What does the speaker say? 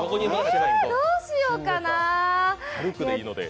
えどうしようかな。